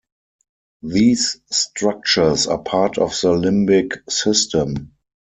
These structures are part of the limbic system.